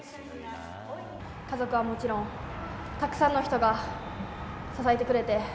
家族はもちろん、たくさんの人が支えてくれて。